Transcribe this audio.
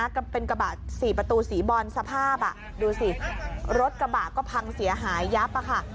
กระบะเป็นกระบะ๔ประตูสีบอลสภาพดูสิรถกระบะก็พังเสียหายยับค่ะ